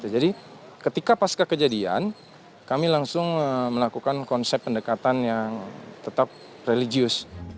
jadi ketika pas kekejadian kami langsung melakukan konsep pendekatan yang tetap religius